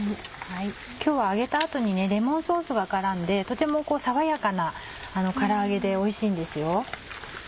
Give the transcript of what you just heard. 今日は揚げた後にレモンソースが絡んでとても爽やかなから揚げでおいしいんですよ。